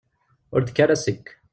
Ur d-tekki ara seg-k.